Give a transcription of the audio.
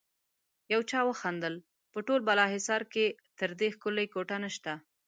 يو چا وخندل: په ټول بالاحصار کې تر دې ښکلی کوټه نشته.